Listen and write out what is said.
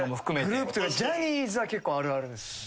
グループというかジャニーズは結構あるあるです。